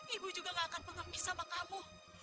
ibu juga gak akan pengemis sama kamu